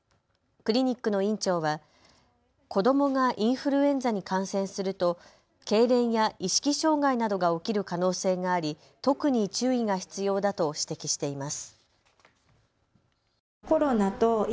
クリニックの院長は子どもがインフルエンザに感染すると、けいれんや意識障害などが起きる可能性があり、特に注意が必要だと指摘しています。